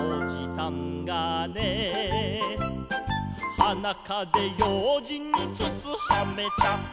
「はなかぜようじんにつつはめた」